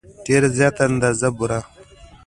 ډېره زیاته اندازه بوره.